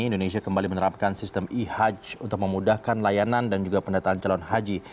indonesia kembali menerapkan sistem e hajj untuk memudahkan layanan dan juga pendataan calon haji